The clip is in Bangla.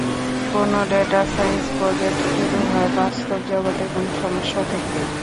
কোন ডেটা সাইন্স প্রজেক্ট শুরু হয় বাস্তব জগতের কোন সমস্যা থেকেই।